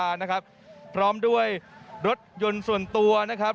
ซึ่งร้อนด้วยรถยนต์ส่วนตัวนะครับ